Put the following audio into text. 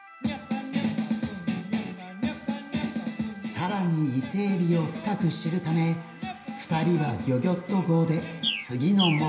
更にイセエビを深く知るため２人はギョギョッと号で次の目的地へ。